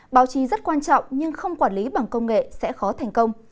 báo chí rất quan trọng nhưng không quản lý bằng công nghệ sẽ khó thành công